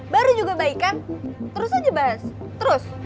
baru juga baik kan terus aja bahas terus